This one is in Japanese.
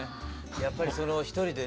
やっぱりその一人でね